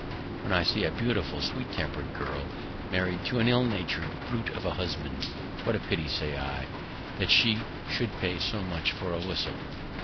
When I see a beautiful, sweet tempered girl married to an ill natured brute of a husband, What a pity, say I, that she should pay so much for a whistle!